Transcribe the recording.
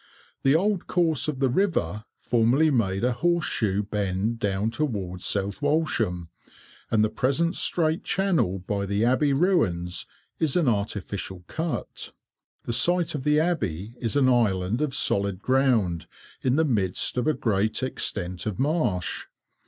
The old course of the river formerly made a horse shoe bend down towards South Walsham, and the present straight channel by the Abbey ruins is an artificial cut. The site of the Abbey is an island of solid ground in the midst of a great extent of marsh.